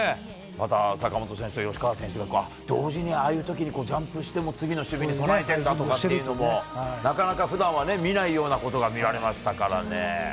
また坂本選手とか吉川選手とか、同時にああいうときにジャンプして、次の守備に備えてんだとかっていうのも、なかなかふだんはね、見ないようなことが見られましたからね。